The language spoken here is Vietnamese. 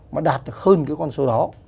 mà đạt được hơn cái con số đó